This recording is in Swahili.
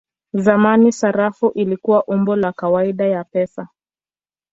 Zamani sarafu ilikuwa umbo la kawaida ya pesa.